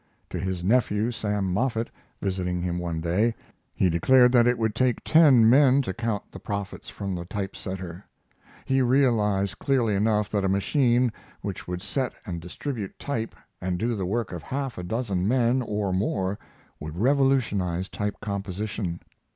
To his nephew, Sam Moffett, visiting him one day, he declared that it would take ten men to count the profits from the typesetter. He realized clearly enough that a machine which would set and distribute type and do the work of half a dozen men or more would revolutionize type composition.